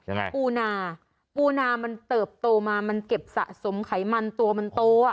ยังไงปูนาปูนามันเติบโตมามันเก็บสะสมไขมันตัวมันโตอ่ะ